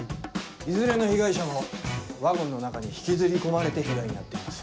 いずれの被害者もワゴンの中に引きずり込まれて被害に遭っています。